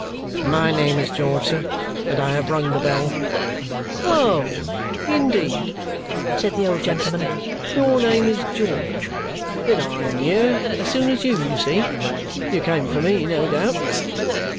"My name is George, sir, and I have rung the bell." "Oh, indeed?" said the old gentleman. "Your name is George? Then I am here as soon as you, you see. You came for me, no doubt?"